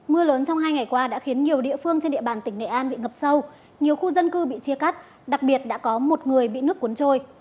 mưa lớn trong hai ngày qua đã khiến nhiều địa phương trên địa bàn tỉnh nghệ an bị ngập sâu nhiều khu dân cư bị chia cắt đặc biệt đã có một người bị nước cuốn trôi